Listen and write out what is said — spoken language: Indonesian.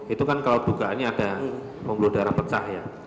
itu kan kalau dugaannya ada pembuluh darah pecah ya